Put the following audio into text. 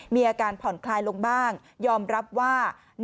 มีอาการผ่อนคลายลงบ้างยอมรับว่า